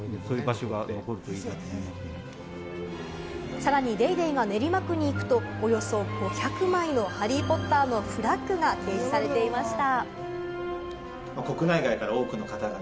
さらに『ＤａｙＤａｙ．』が練馬区に行くと、およそ５００枚の『ハリー・ポッター』のフラッグが掲示されていました。